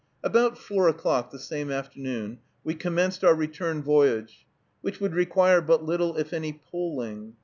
About four o'clock, the same afternoon, we commenced our return voyage, which would require but little if any poling.